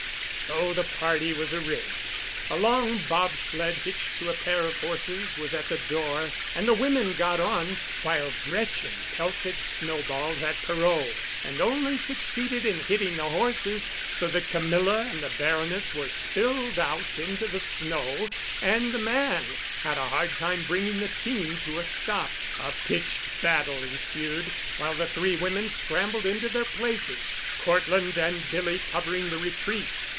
So the party was arranged. A long bobsled hitched to a pair of horses was at the door, and the women got on, while Gretchen pelted snowballs at Perot, and only succeeded in hitting the horses, so that Camilla and the Baroness were spilled out into the snow and the man had a hard time bringing the team to a stop. A pitched battle ensued while the three women scrambled into their places, Cortland and Billy covering the retreat.